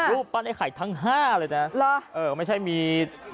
๕รูปปั้นไอ่ไข่ทั้ง๕เลยนะไม่ใช่มี